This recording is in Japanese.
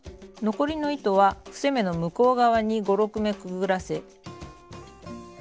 残りの糸は伏せ目の向こう側に５６目くぐらせ。